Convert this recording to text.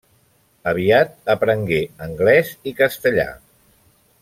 Aviat aprengué anglès i castellà.